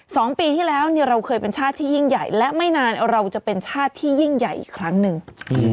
สองปีที่แล้วเนี่ยเราเคยเป็นชาติที่ยิ่งใหญ่และไม่นานเราจะเป็นชาติที่ยิ่งใหญ่อีกครั้งหนึ่ง